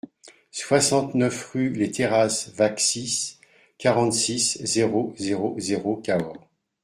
soixante-neuf rue les Terrrases Vaxis, quarante-six, zéro zéro zéro, Cahors